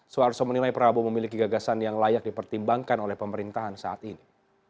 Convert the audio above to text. soeharto menilai prabowo memiliki gagasan yang layak dipertimbangkan oleh pemerintahan saat ini